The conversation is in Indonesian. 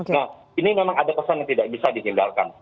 nah ini memang ada pesan yang tidak bisa dihindarkan